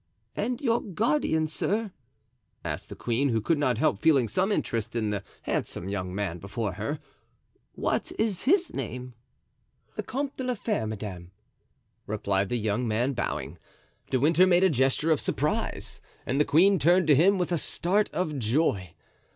"And your guardian, sir," asked the queen, who could not help feeling some interest in the handsome young man before her, "what is his name?" "The Comte de la Fere, madame," replied the young man, bowing. De Winter made a gesture of surprise and the queen turned to him with a start of joy.